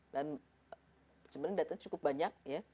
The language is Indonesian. dan datang cukup banyak